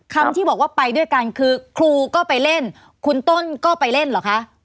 คำที่บอกว่าไปด้วยกันคือครูก็ไปเล่นคุณต้นก็ไปเล่นเหรอคะ